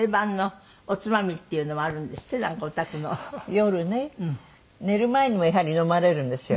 夜ね寝る前にもやはり飲まれるんですよ。